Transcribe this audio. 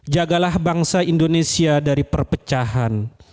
jagalah bangsa indonesia dari perpecahan